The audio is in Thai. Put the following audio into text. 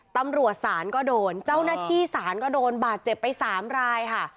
ตำรวจศาลก็โดนเจ้าหน้าที่ศาลก็โดนบาดเจ็บไปสามรายค่ะ